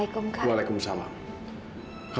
kamilah yang benar